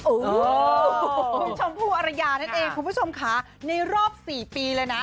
คุณผู้ชมพูดอรรยานั่นเองคุณผู้ชมคะในรอบ๔ปีเลยนะ